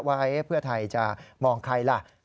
ว่าเพื่อไทยจะมองใครล่ะ